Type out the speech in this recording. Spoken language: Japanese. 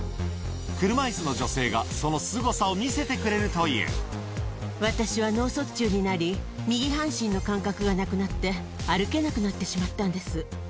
車いすの女性が、私は脳卒中になり、右半身の感覚がなくなって、歩けなくなってしまったんです。